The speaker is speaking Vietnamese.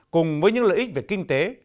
cùng với những lợi ích về kinh tế